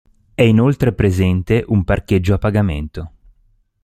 È inoltre presente un parcheggio a pagamento.